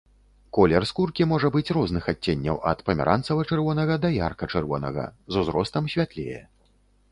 Колер скуркі можа быць розных адценняў ад памяранцава-чырвонага да ярка-чырвонага, з узростам святлее.